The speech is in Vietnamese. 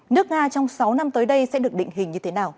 nước nga trong sáu năm tới đây sẽ được định hình như thế nào